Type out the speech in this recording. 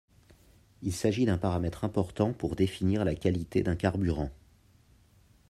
Il s'agit d'un paramètre important pour définir la qualité d'un carburant.